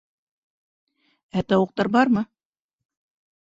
Ә тауыҡтар бармы?